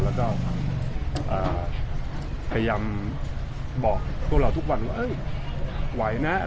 แล้วก็พยายามบอกพวกเราทุกวันว่าเอ้ยไหวนะอะไรอย่างนี้ครับ